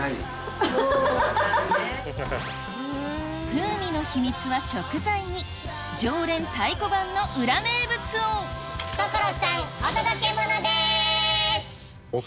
風味の秘密は食材に常連太鼓判の裏名物を所さんお届けモノです！